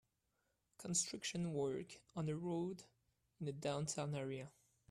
Construction work on a road in the downtown area.